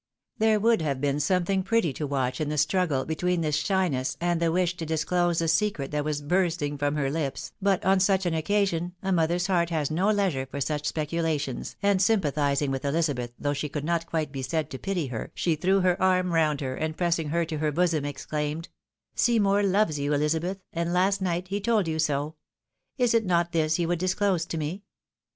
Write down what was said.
There would have been something pretty to watch in the struggle between this shyness, and the wish to disclose the secret that was bursting from her lips, but on such an occasion a mother's heart has no leisure for such speculations, and sympa thising with Ehzabeth, though she could not quite be said to pity her, she threw her arm round her, and pressing her to her bosom, exclaimed —" Seymour loves you, Elizabeth ! and last night he told you so. Is it not this you would disclose to me